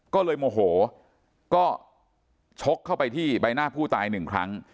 ก็เลยโมโหก็ชกเข้าไปที่ใบหน้าผู้ตายหนึ่งครั้ง